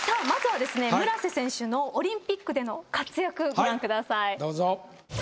まずは村瀬選手のオリンピックでの活躍ご覧ください。